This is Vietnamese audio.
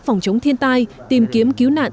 phòng chống thiên tai tìm kiếm cứu nạn